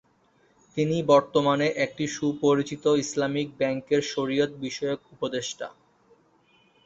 তিনি বর্তমানে একটি সুপরিচিত ইসলামিক ব্যাংকের শরিয়ত বিষয়ক উপদেষ্টা।